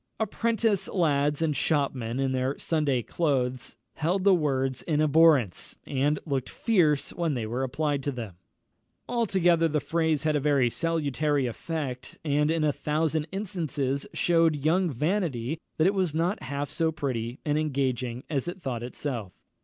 Apprentice lads and shopmen in their Sunday clothes held the words in abhorrence, and looked fierce when they were applied to them. Altogether the phrase had a very salutary effect, and in a thousand instances shewed young Vanity that it was not half so pretty and engaging as it thought itself.